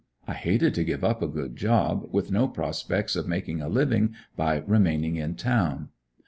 I hated to give up a good job, with no prospects of making a living by remaining in town.